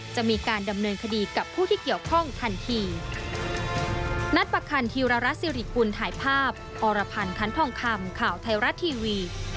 จะมีการดำเนินคดีกับผู้ที่เกี่ยวข้องทันที